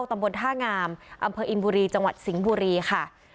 ตำบลท่างามอำเภออินบุรีจังหวัดสิงห์บุรีค่ะ